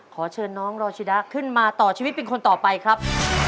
ขอเชิญน้องรอชิดะขึ้นมาต่อชีวิตเป็นคนต่อไปครับ